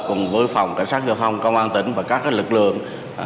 cùng với phòng cảnh sát giáo phòng công an tỉnh và các lực lượng